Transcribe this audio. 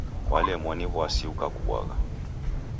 W'alemwa ni w'asi ukakubwagha.